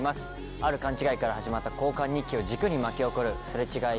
ある勘違いから始まった交換日記を軸に巻き起こる擦れ違い